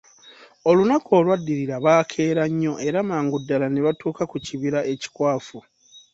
Olunaku olwadirira baakeera nnyo era mangu ddala ne batuuka ku kibira ekikwafu.